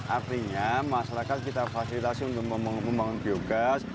artinya masyarakat kita fasilitasi untuk membangun biogas